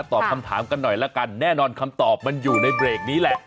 ตอบคำถามกันหน่อยละกันแน่นอนคำตอบมันอยู่ในเบรกนี้แหละ